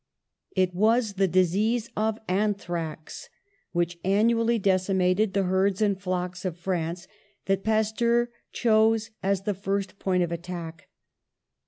It was the disease of anthrax, which annually decimated the herds and flocks of France, that Pasteur chose as the first point of attack.